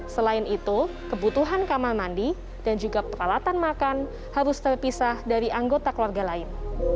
selain itu kebutuhan kamar mandi dan juga peralatan makan harus terpisah dari anggota keluarga lain